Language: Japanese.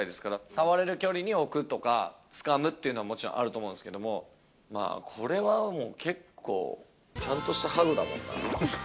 触れる距離に置くとか、つかむっていうのはもちろんあると思うんですけど、まあ、これはもう結構、ちゃんとしたハグだもんな。